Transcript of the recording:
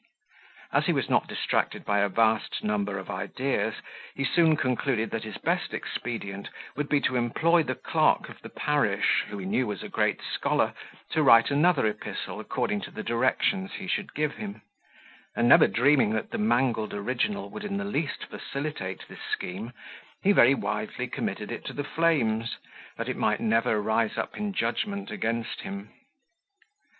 As he was not distracted by a vast number of ideas he soon concluded that his best expedient would be to employ the clerk of the parish, who he knew was a great scholar, to write another epistle according to the directions he should give him; and never dreaming that the mangled original would in the least facilitate this scheme, he very wisely committed it to the flames, that it might never rise up in judgment against him.